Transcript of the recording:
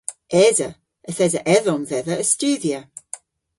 Esa. Yth esa edhom dhedha a studhya.